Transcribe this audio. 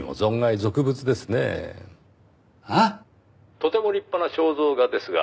「とても立派な肖像画ですが」